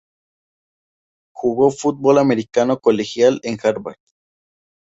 Jugó fútbol americano colegial en Harvard.